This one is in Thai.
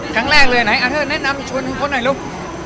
ตอนแรกเลยเดี๋ยวแนนนำเขาหน่อยลูก